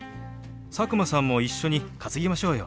佐久間さんも一緒に担ぎましょうよ！